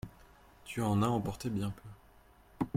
Tu en as emporté bien peu.